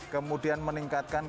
kemudian meningkatkan kualitas